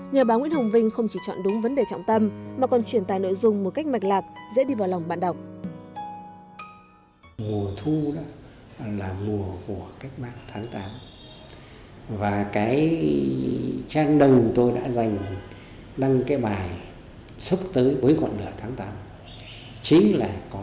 nhà báo nguyễn hồng vinh không chỉ chọn đúng vấn đề trọng tâm mà còn truyền tài nội dung một cách mạch lạc dễ đi vào lòng bạn đọc